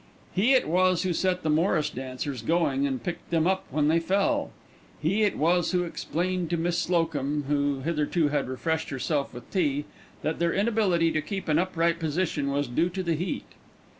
He it was who set the Morris dancers going and picked them up when they fell. He it was who explained to Miss Slocum, who hitherto had refreshed herself with tea, that their inability to keep an upright position was due to the heat.